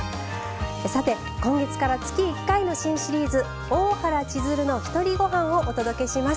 さて今月から月１回の新シリーズ「大原千鶴のひとりごはん」をお届けします。